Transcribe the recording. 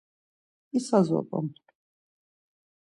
İsa zop̌on.